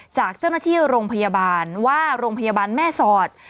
จากเจ้าหน้าที่โรงพยาบาลว่าโรงพยาบาลแม่สอด